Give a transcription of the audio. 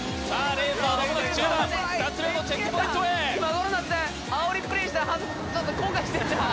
レースはまもなく中盤２つ目のチェックポイントへ今頃になってあおりプレーしたのちょっと後悔してんちゃう？